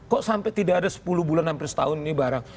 kok sampai tidak ada sepuluh bulan hampir setahun ini barang